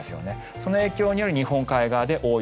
その影響により日本海側で大雪。